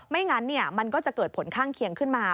ไม่งั้นมันก็จะเกิดผลข้างเคียงขึ้นมา